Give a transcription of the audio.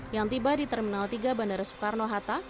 yang tiba di terminal tiga bandara soekarno hatta